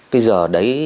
cái giờ đấy